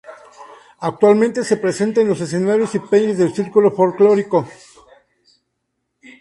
Actualmente se presenta en los escenarios y peñas del circuito folklórico.